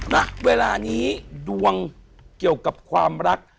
ณเวลานี้ดวงเกี่ยวกับความรัก